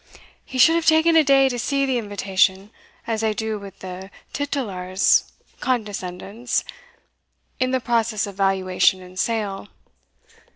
He should have taen a day to see the invitation, as they do wi' the titular's condescendence in the process of valuation and sale.